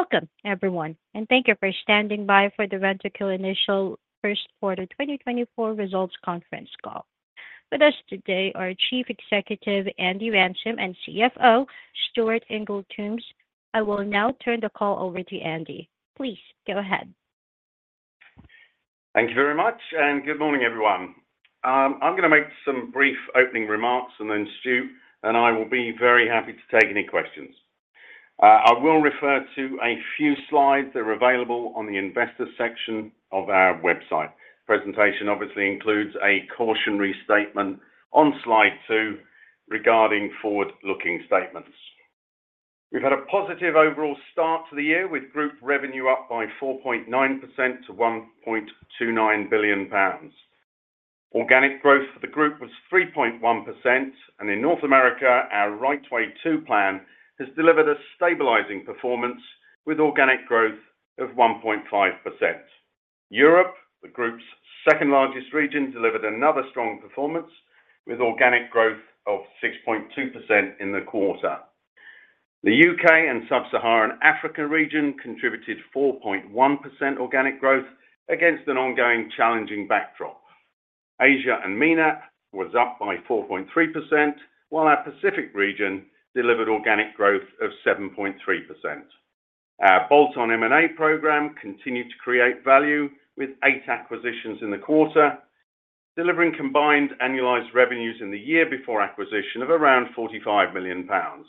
Welcome, everyone, and thank you for standing by for the Rentokil Initial 1st Quarter 2024 Results Conference call. With us today are Chief Executive Andy Ransom and CFO Stuart Ingall-Tombs. I will now turn the call over to Andy. Please go ahead. Thank you very much, and good morning, everyone. I'm going to make some brief opening remarks, and then Stu and I will be very happy to take any questions. I will refer to a few slides that are available on the investor section of our website. Presentation obviously includes a cautionary statement on slide 2 regarding forward-looking statements. We've had a positive overall start to the year, with group revenue up by 4.9% to 1.29 billion pounds. Organic growth for the group was 3.1%, and in North America, our Right Way 2 plan has delivered a stabilizing performance with organic growth of 1.5%. Europe, the group's second-largest region, delivered another strong performance with organic growth of 6.2% in the quarter. The UK and Sub-Saharan Africa region contributed 4.1% organic growth against an ongoing challenging backdrop. Asia and MENAT was up by 4.3%, while our Pacific region delivered organic growth of 7.3%. Our bolt-on M&A program continued to create value with eight acquisitions in the quarter, delivering combined annualized revenues in the year before acquisition of around 45 million pounds.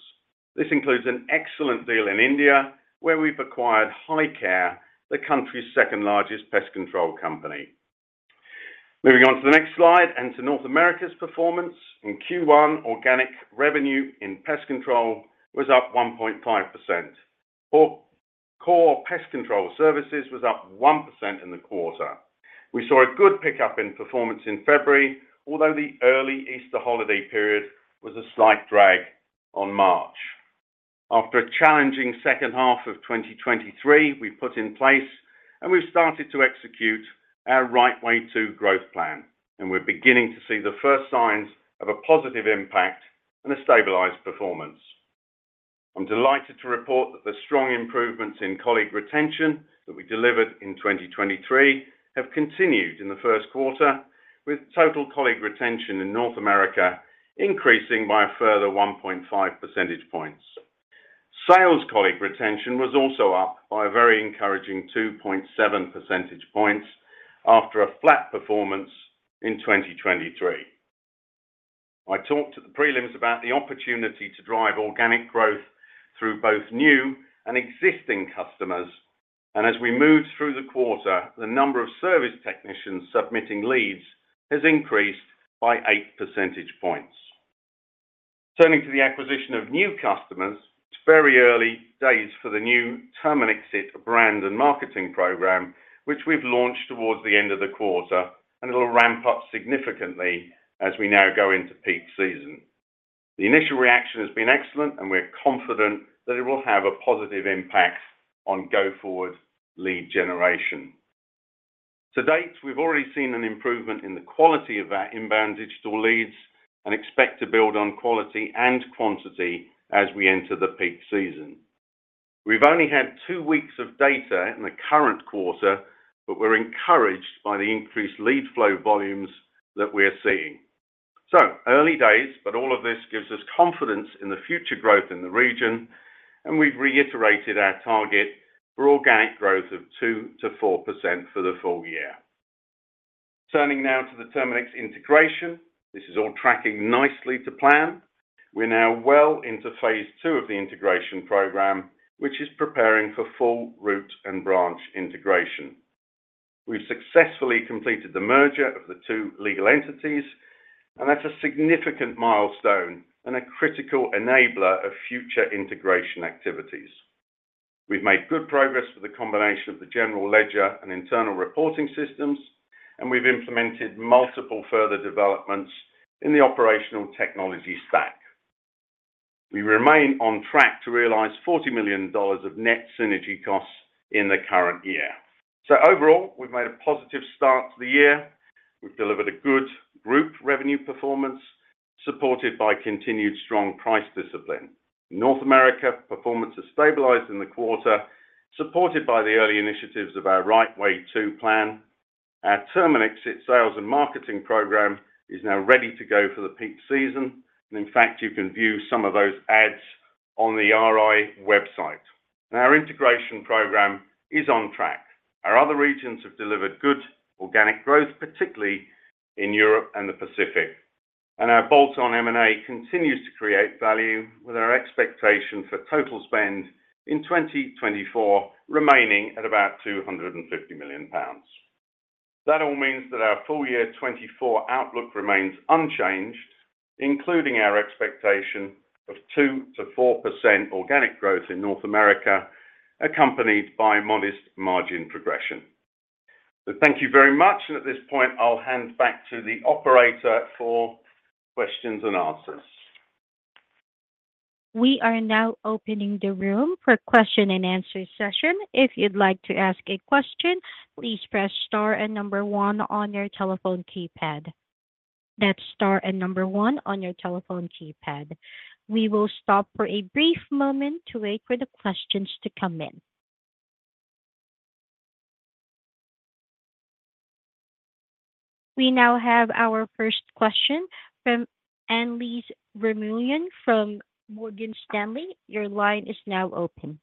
This includes an excellent deal in India, where we've acquired HiCare, the country's second-largest pest control company. Moving on to the next slide and to North America's performance, in Q1, organic revenue in pest control was up 1.5%. Core pest control services was up 1% in the quarter. We saw a good pickup in performance in February, although the early Easter holiday period was a slight drag on March. After a challenging second half of 2023, we've put in place and we've started to execute our Right Way 2 growth plan, and we're beginning to see the first signs of a positive impact and a stabilized performance. I'm delighted to report that the strong improvements in colleague retention that we delivered in 2023 have continued in the first quarter, with total colleague retention in North America increasing by a further 1.5 percentage points. Sales colleague retention was also up by a very encouraging 2.7 percentage points after a flat performance in 2023. I talked at the prelims about the opportunity to drive organic growth through both new and existing customers, and as we moved through the quarter, the number of service technicians submitting leads has increased by 8 percentage points. Turning to the acquisition of new customers, it's very early days for the new Terminix It brand and marketing program, which we've launched towards the end of the quarter, and it'll ramp up significantly as we now go into peak season. The initial reaction has been excellent, and we're confident that it will have a positive impact on go-forward lead generation. To date, we've already seen an improvement in the quality of our inbound digital leads and expect to build on quality and quantity as we enter the peak season. We've only had two weeks of data in the current quarter, but we're encouraged by the increased lead flow volumes that we are seeing. So early days, but all of this gives us confidence in the future growth in the region, and we've reiterated our target for organic growth of 2%-4% for the full year. Turning now to the Terminix integration, this is all tracking nicely to plan. We're now well into phase 2 of the integration program, which is preparing for full root and branch integration. We've successfully completed the merger of the two legal entities, and that's a significant milestone and a critical enabler of future integration activities. We've made good progress with the combination of the general ledger and internal reporting systems, and we've implemented multiple further developments in the operational technology stack. We remain on track to realize $40 million of net synergy costs in the current year. So overall, we've made a positive start to the year. We've delivered a good group revenue performance supported by continued strong price discipline. In North America, performance has stabilized in the quarter, supported by the early initiatives of our Right Way 2 plan. Our Terminix It sales and marketing program is now ready to go for the peak season, and in fact, you can view some of those ads on the RI website. Our integration program is on track. Our other regions have delivered good organic growth, particularly in Europe and the Pacific. Our bolt-on M&A continues to create value with our expectation for total spend in 2024 remaining at about 250 million pounds. That all means that our full year 2024 outlook remains unchanged, including our expectation of 2%-4% organic growth in North America, accompanied by modest margin progression. Thank you very much, and at this point, I'll hand back to the operator for questions and answers. We are now opening the room for a question and answer session. If you'd like to ask a question, please press star and number 1 on your telephone keypad. That's star and number 1 on your telephone keypad. We will stop for a brief moment to wait for the questions to come in. We now have our first question from Annelies Vermeulen from Morgan Stanley. Your line is now open.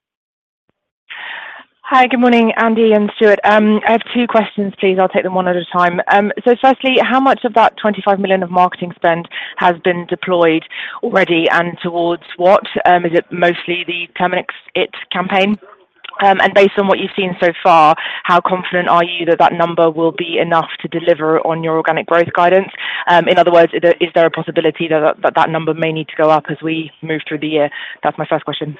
Hi, good morning, Andy and Stuart. I have two questions, please. I'll take them one at a time. So firstly, how much of that 25 million of marketing spend has been deployed already, and towards what? Is it mostly the Terminix It campaign? And based on what you've seen so far, how confident are you that that number will be enough to deliver on your organic growth guidance? In other words, is there a possibility that that number may need to go up as we move through the year? That's my first question.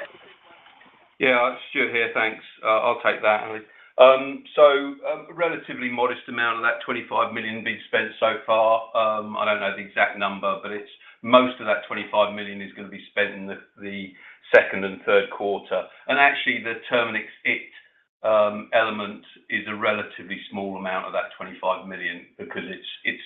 Yeah, Stuart here. Thanks. I'll take that, Andy. So a relatively modest amount of that 25 million being spent so far. I don't know the exact number, but most of that 25 million is going to be spent in the second and third quarter. And actually, the Terminix It element is a relatively small amount of that 25 million because it's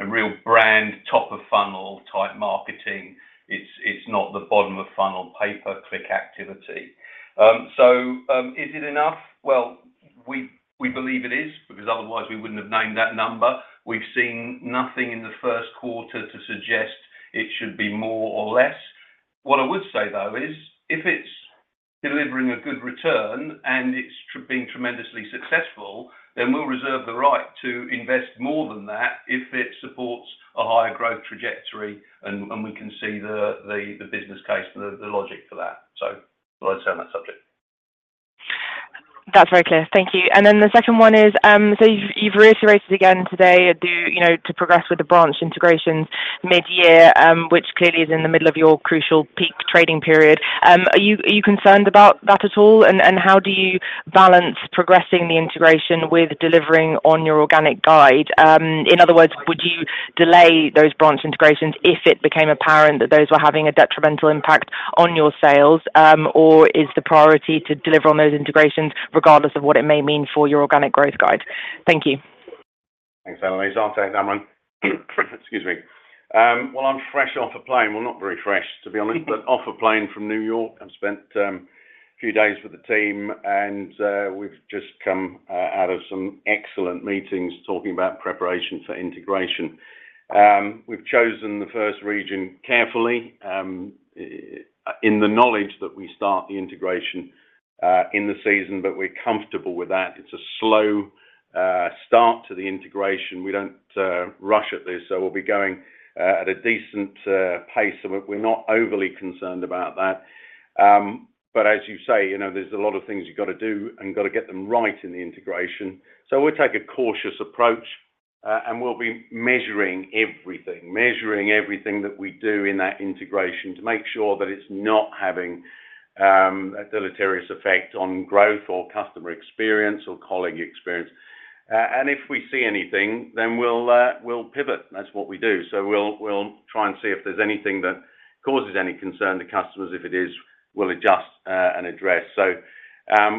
a real brand top-of-funnel type marketing. It's not the bottom-of-funnel pay-per-click activity. So is it enough? Well, we believe it is because otherwise, we wouldn't have named that number. We've seen nothing in the first quarter to suggest it should be more or less. What I would say, though, is if it's delivering a good return and it's being tremendously successful, then we'll reserve the right to invest more than that if it supports a higher growth trajectory and we can see the business case and the logic for that. So I'd turn that subject. That's very clear. Thank you. And then the second one is so you've reiterated again today to progress with the branch integrations mid-year, which clearly is in the middle of your crucial peak trading period. Are you concerned about that at all? And how do you balance progressing the integration with delivering on your organic guide? In other words, would you delay those branch integrations if it became apparent that those were having a detrimental impact on your sales, or is the priority to deliver on those integrations regardless of what it may mean for your organic growth guide? Thank you. Thanks, Annelies. I'll take that one. Excuse me. Well, I'm fresh off a plane. Well, not very fresh, to be honest, but off a plane from New York. I've spent a few days with the team, and we've just come out of some excellent meetings talking about preparation for integration. We've chosen the first region carefully in the knowledge that we start the integration in the season, but we're comfortable with that. It's a slow start to the integration. We don't rush at this, so we'll be going at a decent pace, so we're not overly concerned about that. But as you say, there's a lot of things you've got to do and got to get them right in the integration. So we'll take a cautious approach, and we'll be measuring everything, measuring everything that we do in that integration to make sure that it's not having a deleterious effect on growth or customer experience or colleague experience. And if we see anything, then we'll pivot. That's what we do. We'll try and see if there's anything that causes any concern to customers. If it is, we'll adjust and address.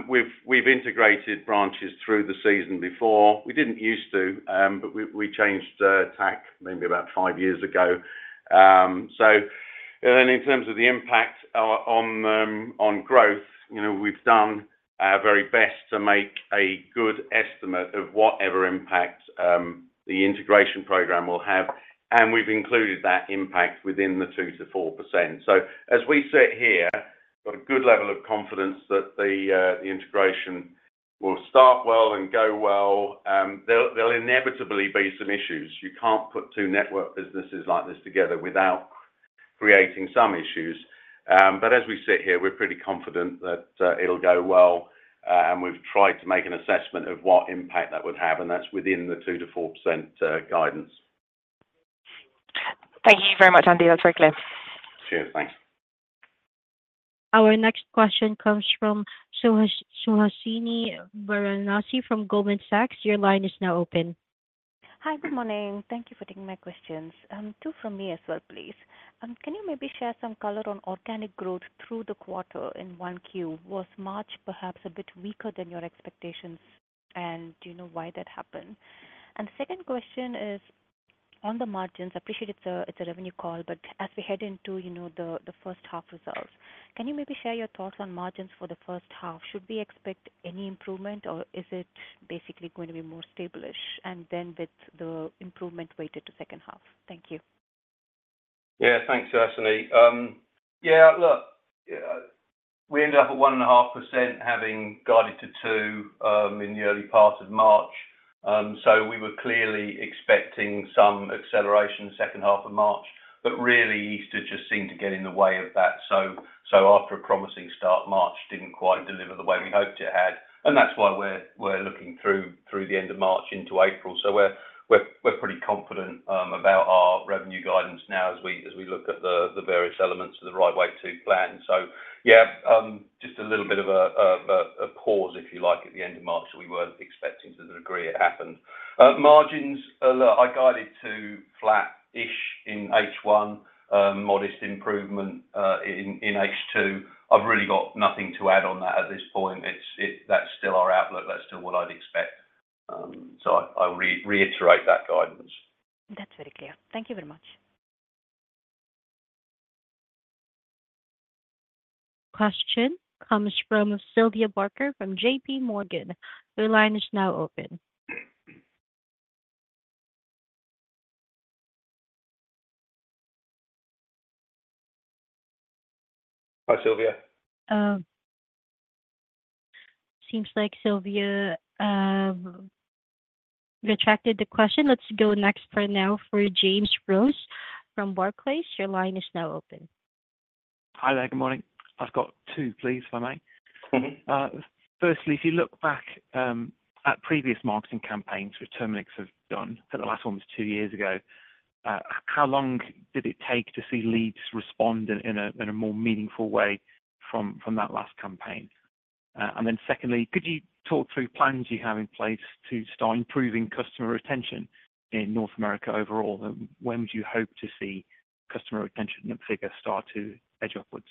We've integrated branches through the season before. We didn't used to, but we changed tack maybe about five years ago. Then in terms of the impact on growth, we've done our very best to make a good estimate of whatever impact the integration program will have, and we've included that impact within the 2%-4%. As we sit here, got a good level of confidence that the integration will start well and go well. There'll inevitably be some issues. You can't put two network businesses like this together without creating some issues. But as we sit here, we're pretty confident that it'll go well, and we've tried to make an assessment of what impact that would have, and that's within the 2%-4% guidance. Thank you very much, Andy. That's very clear. Cheers. Thanks. Our next question comes from Suhasini Varanasi from Goldman Sachs. Your line is now open. Hi, good morning. Thank you for taking my questions. Two from me as well, please. Can you maybe share some color on organic growth through the quarter in Q1? Was March perhaps a bit weaker than your expectations, and do you know why that happened? The second question is on the margins. I appreciate it's a revenue call, but as we head into the first half results, can you maybe share your thoughts on margins for the first half? Should we expect any improvement, or is it basically going to be more stable? With the improvement weighted to second half, thank you. Yeah, thanks, Suhasini. Yeah, look, we ended up at 1.5% having guided to 2% in the early part of March. So we were clearly expecting some acceleration second half of March, but really, Easter just seemed to get in the way of that. So after a promising start, March didn't quite deliver the way we hoped it had, and that's why we're looking through the end of March into April. So we're pretty confident about our revenue guidance now as we look at the various elements of the Right Way 2 plan. So yeah, just a little bit of a pause, if you like, at the end of March that we weren't expecting to the degree it happened. Margins, look, I guided to flat-ish in H1, modest improvement in H2. I've really got nothing to add on that at this point. That's still our outlook. That's still what I'd expect. So I'll reiterate that guidance. That's very clear. Thank you very much. Question comes from Sylvia Barker from J.P. Morgan. Your line is now open. Hi, Sylvia. Seems like Sylvia retracted the question. Let's go next for now for James Rose from Barclays. Your line is now open. Hi, there. Good morning. I've got two, please, if I may. Firstly, if you look back at previous marketing campaigns which Terminix have done, I think the last one was two years ago, how long did it take to see leads respond in a more meaningful way from that last campaign? And then secondly, could you talk through plans you have in place to start improving customer retention in North America overall? When would you hope to see customer retention figures start to edge upwards?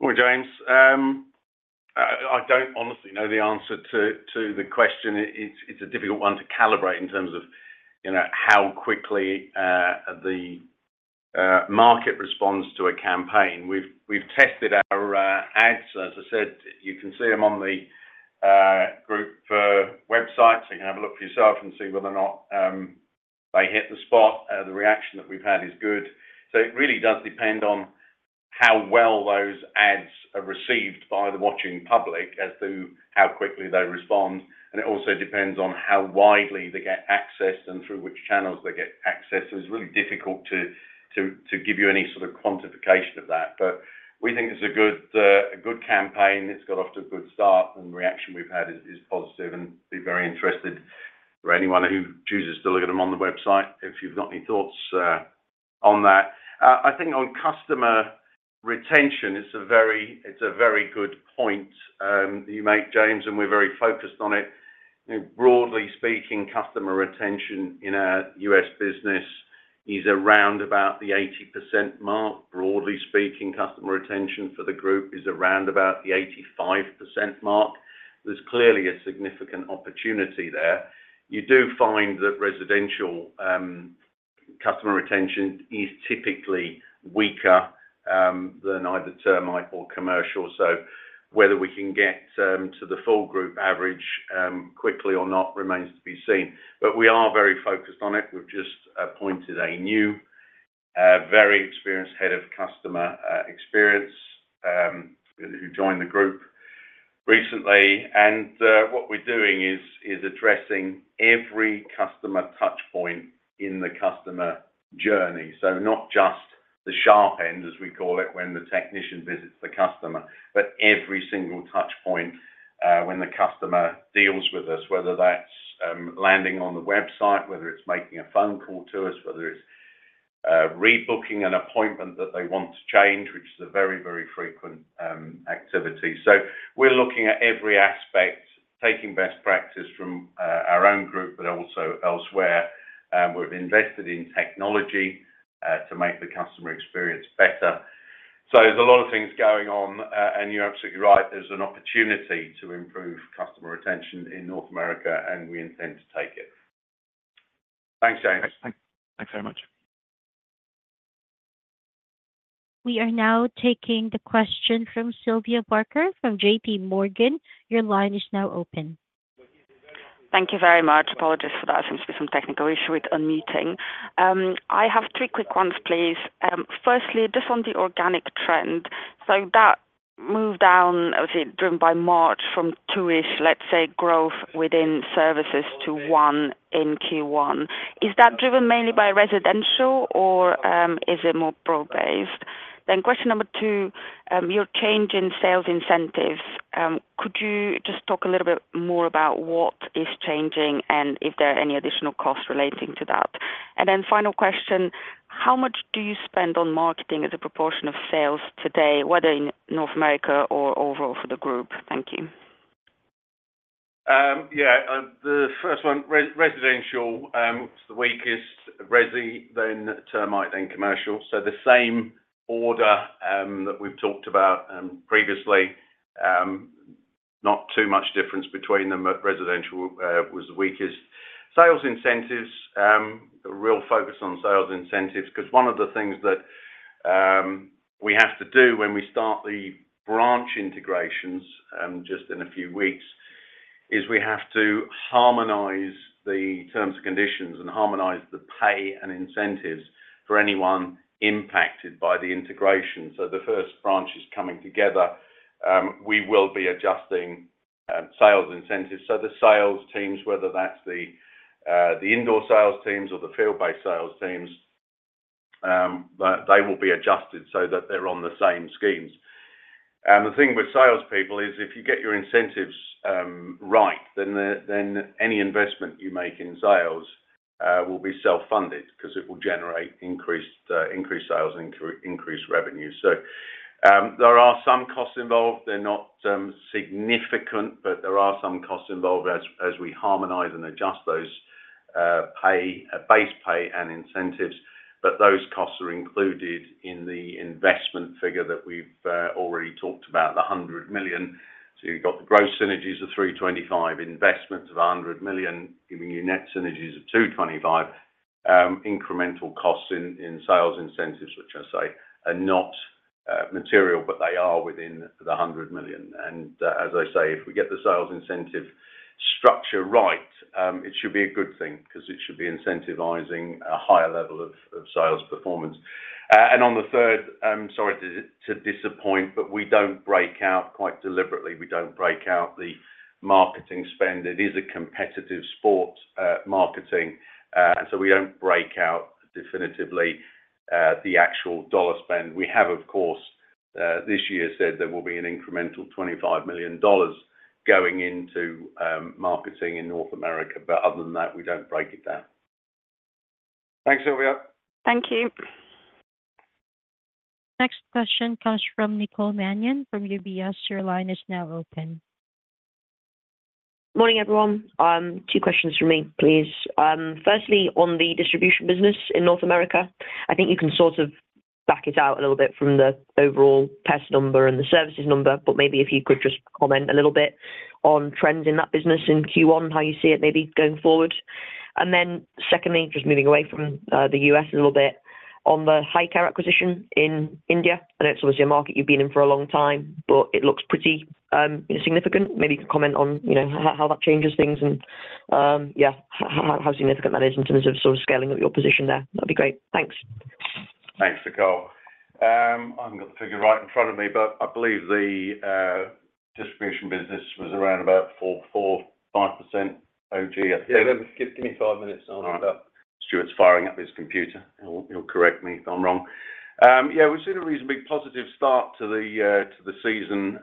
Well, James, I don't honestly know the answer to the question. It's a difficult one to calibrate in terms of how quickly the market responds to a campaign. We've tested our ads. As I said, you can see them on the group websites. You can have a look for yourself and see whether or not they hit the spot. The reaction that we've had is good. So it really does depend on how well those ads are received by the watching public as to how quickly they respond. And it also depends on how widely they get accessed and through which channels they get accessed. So it's really difficult to give you any sort of quantification of that. But we think it's a good campaign. It's got off to a good start, and the reaction we've had is positive. And I'd be very interested for anyone who chooses to look at them on the website if you've got any thoughts on that. I think on customer retention, it's a very good point you make, James, and we're very focused on it. Broadly speaking, customer retention in our U.S. business is around about the 80% mark. Broadly speaking, customer retention for the group is around about the 85% mark. There's clearly a significant opportunity there. You do find that residential customer retention is typically weaker than either termite or commercial. So whether we can get to the full group average quickly or not remains to be seen. But we are very focused on it. We've just appointed a new, very experienced head of customer experience who joined the group recently. What we're doing is addressing every customer touchpoint in the customer journey, so not just the sharp end, as we call it, when the technician visits the customer, but every single touchpoint when the customer deals with us, whether that's landing on the website, whether it's making a phone call to us, whether it's rebooking an appointment that they want to change, which is a very, very frequent activity. So we're looking at every aspect, taking best practice from our own group but also elsewhere. We've invested in technology to make the customer experience better. So there's a lot of things going on, and you're absolutely right. There's an opportunity to improve customer retention in North America, and we intend to take it. Thanks, James. Thanks very much. We are now taking the question from Sylvia Barker from J.P. Morgan. Your line is now open. Thank you very much. Apologies for that. Seems to be some technical issue with unmuting. I have 3 quick ones, please. Firstly, just on the organic trend, so that move down, I would say, driven by March from 2-ish, let's say, growth within services to 1 in Q1, is that driven mainly by residential, or is it more broad-based? Then question number 2, your change in sales incentives. Could you just talk a little bit more about what is changing and if there are any additional costs relating to that? And then final question, how much do you spend on marketing as a proportion of sales today, whether in North America or overall for the group? Thank you. Yeah. The first one, residential, it's the weakest, resi, then termite, then commercial. So the same order that we've talked about previously, not too much difference between them, but residential was the weakest. Sales incentives, a real focus on sales incentives because one of the things that we have to do when we start the branch integrations just in a few weeks is we have to harmonize the terms and conditions and harmonize the pay and incentives for anyone impacted by the integration. So the first branch is coming together. We will be adjusting sales incentives. So the sales teams, whether that's the indoor sales teams or the field-based sales teams, they will be adjusted so that they're on the same schemes. The thing with salespeople is if you get your incentives right, then any investment you make in sales will be self-funded because it will generate increased sales and increased revenue. There are some costs involved. They're not significant, but there are some costs involved as we harmonize and adjust those base pay and incentives. Those costs are included in the investment figure that we've already talked about, the 100 million. You've got the gross synergies of 325 million, investments of 100 million, giving you net synergies of 225 million. Incremental costs in sales incentives, which I say are not material, but they are within the 100 million. As I say, if we get the sales incentive structure right, it should be a good thing because it should be incentivising a higher level of sales performance. On the third, sorry to disappoint, but we don't break out quite deliberately. We don't break out the marketing spend. It is a competitive sport, marketing. So we don't break out definitively the actual dollar spend. We have, of course, this year said there will be an incremental $25 million going into marketing in North America, but other than that, we don't break it down. Thanks, Sylvia. Thank you. Next question comes from Nicole Manion from UBS. Your line is now open. Morning, everyone. Two questions from me, please. Firstly, on the distribution business in North America, I think you can sort of back it out a little bit from the overall Pest number and the services number, but maybe if you could just comment a little bit on trends in that business in Q1, how you see it maybe going forward. And then secondly, just moving away from the US a little bit on the HiCare acquisition in India. I know it's obviously a market you've been in for a long time, but it looks pretty significant. Maybe you can comment on how that changes things and, yeah, how significant that is in terms of sort of scaling up your position there. That'd be great. Thanks. Thanks, Nicole. I haven't got the figure right in front of me, but I believe the distribution business was around about 4%-5% OG, I think. Yeah, give me five minutes. I'll end up. Stuart's firing up his computer. He'll correct me if I'm wrong. Yeah, we've seen a reasonably positive start to the season.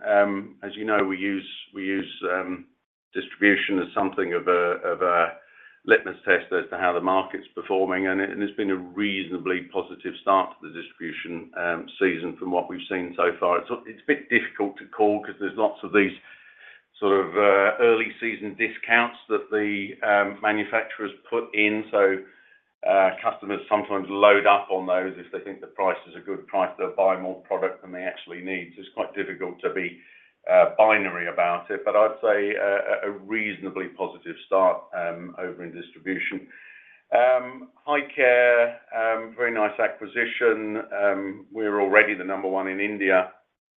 As you know, we use distribution as something of a litmus test as to how the market's performing, and it's been a reasonably positive start to the distribution season from what we've seen so far. It's a bit difficult to call because there's lots of these sort of early season discounts that the manufacturers put in. So customers sometimes load up on those if they think the price is a good price. They'll buy more product than they actually need. So it's quite difficult to be binary about it, but I'd say a reasonably positive start over in distribution. HiCare, very nice acquisition. We're already the number one in India,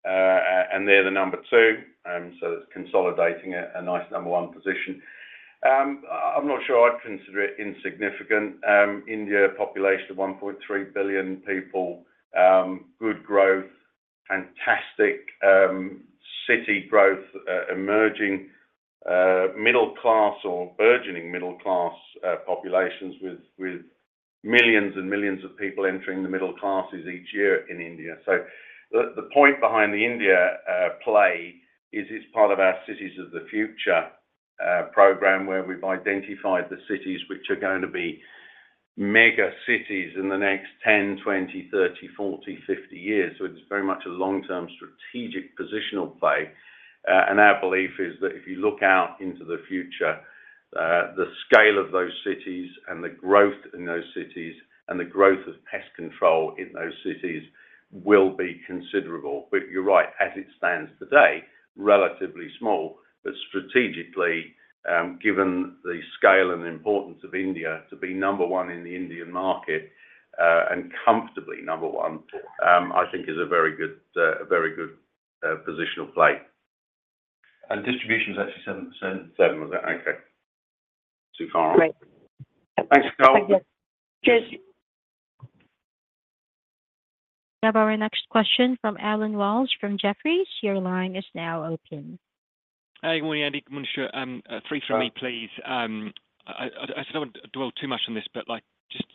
and they're the number two. So it's consolidating a nice number one position. I'm not sure I'd consider it insignificant. India, population of 1.3 billion people, good growth, fantastic city growth, emerging middle-class or burgeoning middle-class populations with millions and millions of people entering the middle classes each year in India. So the point behind the India play is it's part of our Cities of the Future program where we've identified the cities which are going to be mega cities in the next 10, 20, 30, 40, 50 years. So it's very much a long-term strategic positional play. And our belief is that if you look out into the future, the scale of those cities and the growth in those cities and the growth of pest control in those cities will be considerable. But you're right. As it stands today, relatively small, but strategically, given the scale and importance of India to be number one in the Indian market and comfortably number one, I think is a very good positional play. Distribution's actually 7%. 7%. Okay. Too far off. Thanks, Nicole. Thank you. Now, our next question from Allen Wells from Jefferies. Your line is now open. Hi, good morning, Andy. Good morning, Stuart. Three from me, please. I don't want to dwell too much on this, but just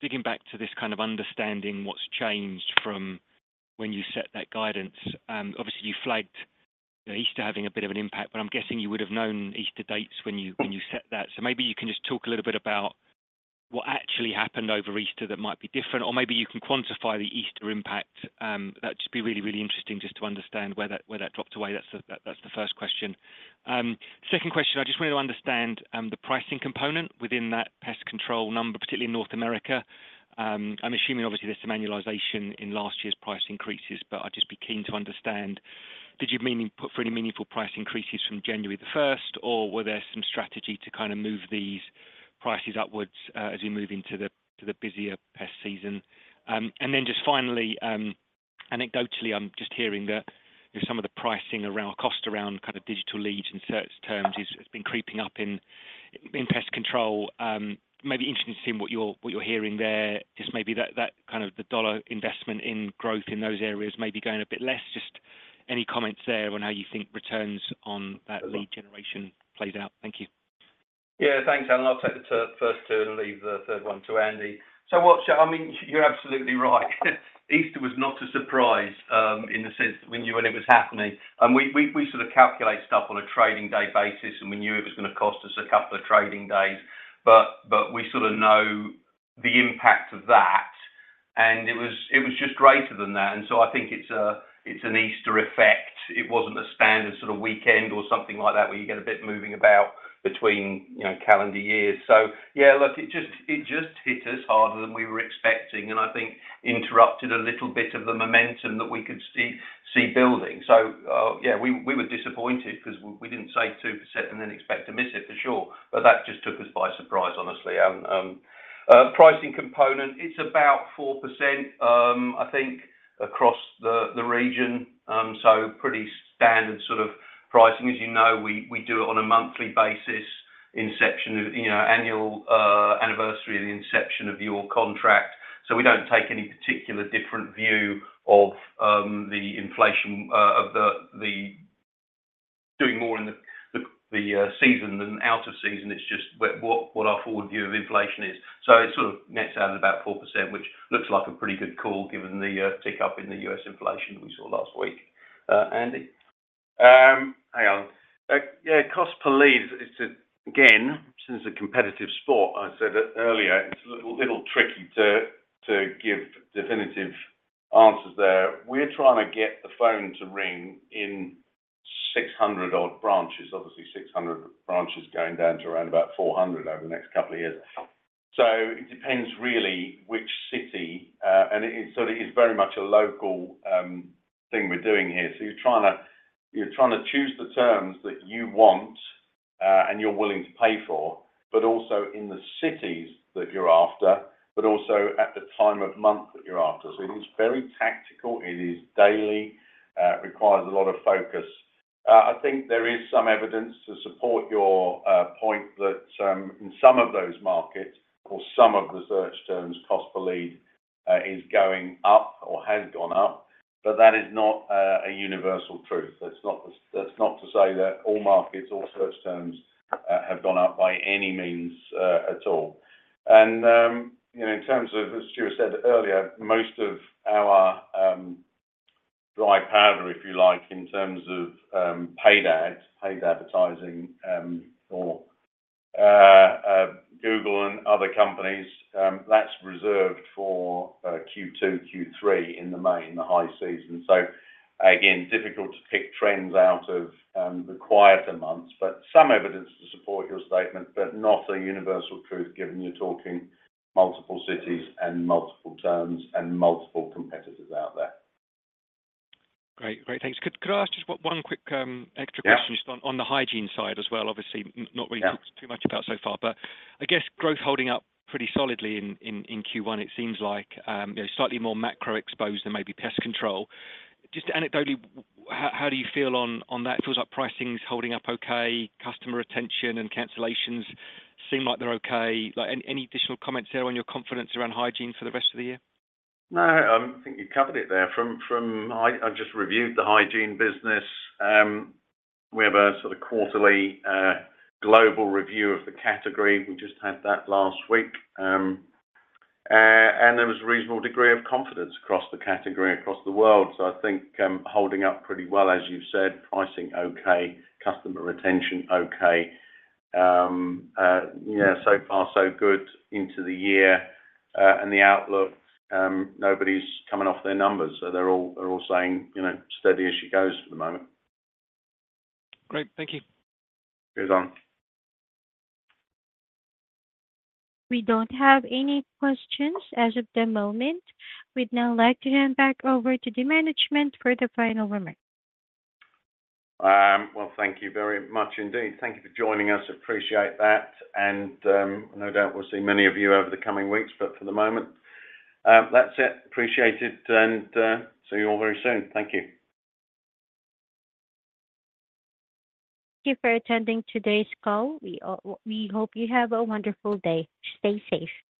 digging back to this kind of understanding what's changed from when you set that guidance. Obviously, you flagged Easter having a bit of an impact, but I'm guessing you would have known Easter dates when you set that. So maybe you can just talk a little bit about what actually happened over Easter that might be different, or maybe you can quantify the Easter impact. That'd just be really, really interesting just to understand where that dropped away. That's the first question. Second question, I just wanted to understand the pricing component within that pest control number, particularly in North America. I'm assuming, obviously, there's some annualization in last year's price increases, but I'd just be keen to understand, did you opt for any meaningful price increases from January 1st, or is there some strategy to kind of move these prices upwards as we move into the busier pest season? And then just finally, anecdotally, I'm just hearing that some of the pricing around the cost around kind of digital leads in search terms has been creeping up in pest control. Maybe interesting to see what you're hearing there. Just maybe that kind of the dollar investment in growth in those areas may be going a bit less. Just any comments there on how you think returns on that lead generation plays out? Thank you. Yeah, thanks, Allen. I'll take the first two and leave the third one to Andy. So, what's your- I mean, you're absolutely right. Easter was not a surprise in the sense that we knew when it was happening. And we sort of calculate stuff on a trading day basis, and we knew it was going to cost us a couple of trading days, but we sort of know the impact of that. And it was just greater than that. And so I think it's an Easter effect. It wasn't a standard sort of weekend or something like that where you get a bit moving about between calendar years. So yeah, look, it just hit us harder than we were expecting and I think interrupted a little bit of the momentum that we could see building. So yeah, we were disappointed because we didn't say 2% and then expect to miss it for sure. But that just took us by surprise, honestly. Pricing component, it's about 4%, I think, across the region. So pretty standard sort of pricing. As you know, we do it on a monthly basis, annual anniversary of the inception of your contract. So we don't take any particular different view of the inflation of the doing more in the season than out of season. It's just what our forward view of inflation is. So it sort of nets out at about 4%, which looks like a pretty good call given the tick-up in the U.S. inflation that we saw last week. Andy? Hi, Allen. Yeah, cost per lead, again, since it's a competitive sport, I said it earlier, it's a little tricky to give definitive answers there. We're trying to get the phone to ring in 600-odd branches, obviously 600 branches going down to around about 400 over the next couple of years. So it depends really which city. And it sort of is very much a local thing we're doing here. So you're trying to choose the terms that you want and you're willing to pay for, but also in the cities that you're after, but also at the time of month that you're after. So it is very tactical. It is daily. It requires a lot of focus. I think there is some evidence to support your point that in some of those markets, or some of the search terms, cost per lead is going up or has gone up. But that is not a universal truth. That's not to say that all markets, all search terms have gone up by any means at all. And in terms of, as Stuart said earlier, most of our dry powder, if you like, in terms of paid ads, paid advertising for Google and other companies, that's reserved for Q2, Q3 in the high season. So again, difficult to pick trends out of the quieter months, but some evidence to support your statement, but not a universal truth given you're talking multiple cities and multiple terms and multiple competitors out there. Great. Great. Thanks. Could I ask just one quick extra question just on the hygiene side as well? Obviously, not really talked too much about so far, but I guess growth holding up pretty solidly in Q1, it seems like, slightly more macro-exposed than maybe pest control. Just anecdotally, how do you feel on that? It feels like pricing's holding up okay. Customer attention and cancellations seem like they're okay. Any additional comments there on your confidence around hygiene for the rest of the year? No, I think you covered it there. I just reviewed the hygiene business. We have a sort of quarterly global review of the category. We just had that last week. There was a reasonable degree of confidence across the category, across the world. So I think holding up pretty well, as you've said, pricing okay, customer retention okay. Yeah, so far, so good into the year. The outlook, nobody's coming off their numbers. So they're all saying steady as she goes for the moment. Great. Thank you. Goes on. We don't have any questions as of the moment. We'd now like to hand back over to the management for the final remark. Well, thank you very much indeed. Thank you for joining us. Appreciate that. And no doubt we'll see many of you over the coming weeks, but for the moment, that's it. Appreciate it. See you all very soon. Thank you. Thank you for attending today's call. We hope you have a wonderful day. Stay safe.